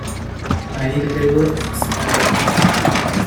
I need a table at spa joint